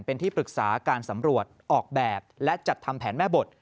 เป็นที่ปรึกษาการสำรวจออกแบบและจัดทำแผนแม่บท